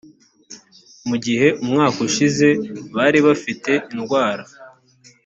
mu gihe umwaka ushize bari abafite indwara